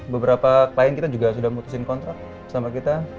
beberapa klien kita juga sudah mutusin kontrak sama kita